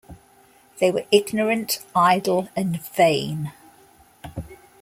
They were ignorant, idle, and vain.